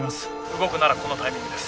動くならこのタイミングです。